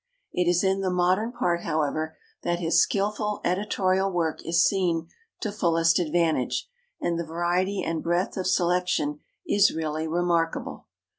It is in the modern part, however, that his skilful editorial work is seen to fullest advantage and the variety and breadth of selection is really remarkable.